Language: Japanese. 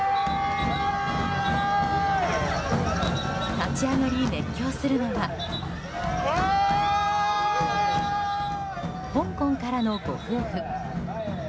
立ち上がり熱狂するのは香港からのご夫婦。